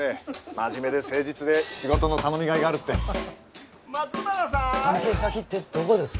真面目で誠実で仕事の頼みがいがあるって関係先ってどこですか？